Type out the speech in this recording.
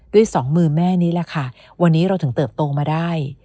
สองมือแม่นี้แหละค่ะวันนี้เราถึงเติบโตมาได้